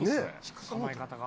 構え方が。